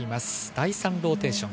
第３ローテーション。